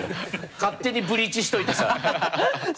勝手にブリーチしといてさ。